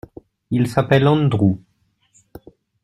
Il s’appelle Andrew.